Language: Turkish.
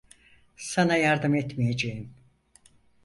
Sana yardım etmeyeceğim.